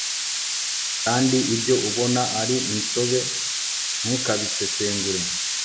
kandi ibyo ubona ari insobe, ntukabisesengure